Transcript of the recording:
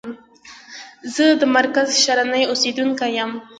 زه د مرکز شرنی اوسیدونکی یم.